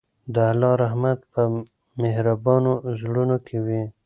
د الله رحمت په مهربانو زړونو کې وي.